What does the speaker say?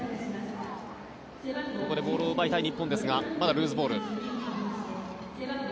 ここでボールを奪いたい日本ですが、まだルーズボール。